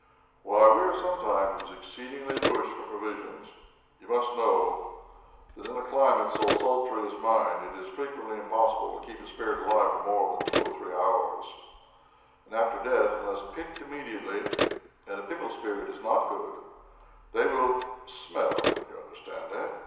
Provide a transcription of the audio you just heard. "Why, we are sometimes exceedingly pushed for provisions. You must know that, in a climate so sultry as mine, it is frequently impossible to keep a spirit alive for more than two or three hours; and after death, unless pickled immediately (and a pickled spirit is not good), they will—smell—you understand, eh?